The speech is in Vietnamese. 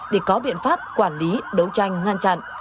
để có biện pháp quản lý đấu tranh ngăn chặn